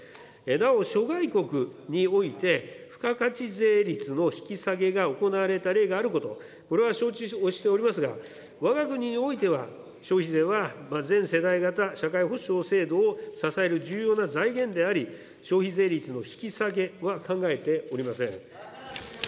なお諸外国において、付加価値税率の引き下げが行われた例があること、これは承知をしておりますが、わが国においては、消費税は全世代型社会保障制度を支える重要な財源であり、消費税率の引き下げは考えておりません。